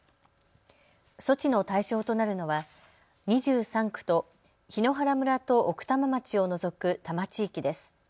措置の対象となるのは２３区と檜原村と奥多摩町を除く多摩地域です。